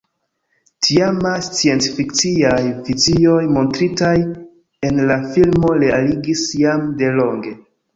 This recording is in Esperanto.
Tiamaj sciencfikciaj vizioj montritaj en la filmo realigis jam delonge.